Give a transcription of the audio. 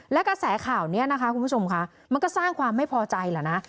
และกระแสข่าวนี้นะคะคุณผู้ชมค่ะมันก็สร้างความไม่พอใจแหละนะ